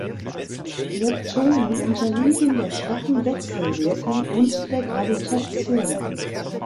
Leptonen unterliegen der schwachen Wechselwirkung und der Gravitation.